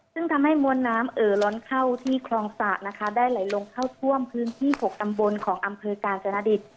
ซึ่งทำให้มวลน้ำเอ่อล้นเข้าที่คลองสะนะคะได้ไหลลงเข้าท่วมพื้นที่๖ตำบลของอำเภอกาญจนดิต